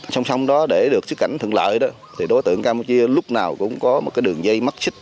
xong xong đó để được xuất cảnh thượng lợi đối tượng campuchia lúc nào cũng có đường dây mất xích